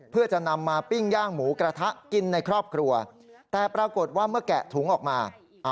เพื่อจะนำมาปิ้งย่างหมูกระทะกินในครอบครัวแต่ปรากฏว่าเมื่อแกะถุงออกมา